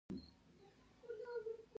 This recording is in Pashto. رِقاع خط؛ د خط یو ډول دﺉ.